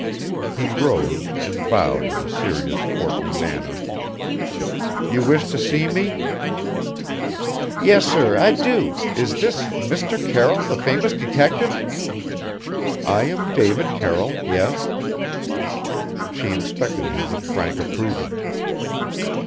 He rose and bowed in a serious, courtly manner. "You wish to see me?" "Yes, sir, I do. Is this Mr. Carroll the famous detective?" "I am David Carroll yes." She inspected him with frank approval.